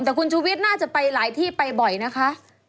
แต่คุณชูวิทย์น่าจะไปหลายที่ไปบ่อยนะคะ